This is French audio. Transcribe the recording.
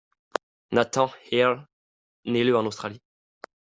Nathan Earle naît le en Australie.